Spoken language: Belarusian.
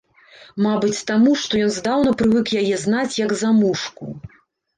Мабыць таму, што ён здаўна прывык яе знаць, як замужку.